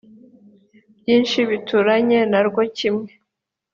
byinshi bituranye na rwo kimwe